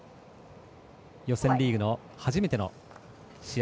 予選リーグの初めての試合。